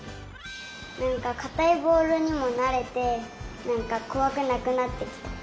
なんかかたいぼおるにもなれてなんかこわくなくなってきた。